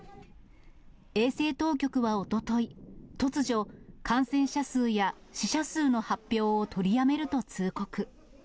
衛生当局はおととい、突如、感染者数や死者数の発表を取りやめると通告。